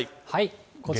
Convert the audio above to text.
こちら。